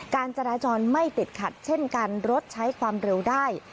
การจราจรไม่ติดขัดเช่นกันรถใช้ความเร็วได้